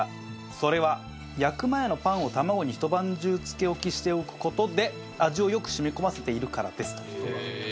それは焼く前のパンを卵に一晩中漬け置きしておく事で味をよく染み込ませているからですと。